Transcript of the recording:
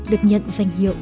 được nhận danh hiệu